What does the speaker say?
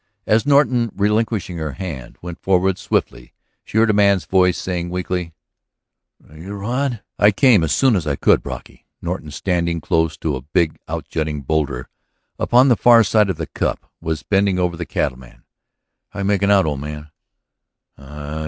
As Norton, relinquishing her hand, went forward swiftly she heard a man's voice saying weakly: "That you, Rod?" "I came as soon as I could, Brocky." Norton, standing close to a big outjutting boulder upon the far side of the cup, was bending over the cattleman. "How are you making out, old man?"